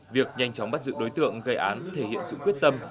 việc nhanh chóng bắt giữ đối tượng gây án thể hiện sự quyết tâm